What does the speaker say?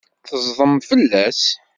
Tezḍem fell-as.